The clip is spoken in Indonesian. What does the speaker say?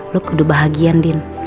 lo kudu bahagia din